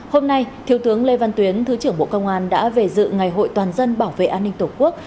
hôm nay thiếu tướng lê văn tuyến thứ trưởng bộ công an đã về dự ngày hội toàn dân bảo vệ an ninh tổ quốc